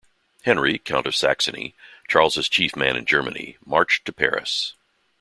Henry, Count of Saxony, Charles' chief man in Germany, marched to Paris.